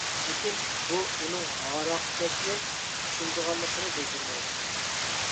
لېكىن بۇ ئۇنىڭ ھاراقكەشنى چۈشىنىدىغانلىقىنى بىلدۈرمەيدۇ.